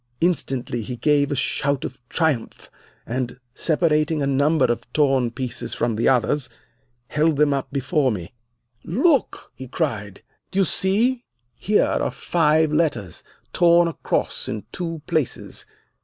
Instantly he gave a shout of triumph, and, separating a number of torn pieces from the others, held them up before me. "'Look!' he cried. 'Do you see? Here are five letters, torn across in two places.